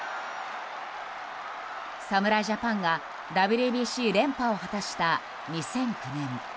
侍ジャパンがＷＢＣ連覇を果たした２００９年。